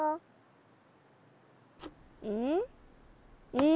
うん？